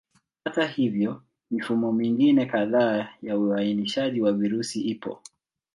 Hata hivyo, mifumo mingine kadhaa ya uainishaji wa virusi ipo.